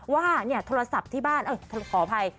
ว่าโทรศัพท์ที่บ้านขออภัย